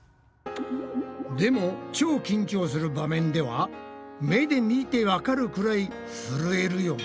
でも超緊張する場面では目で見てわかるくらいふるえるよな？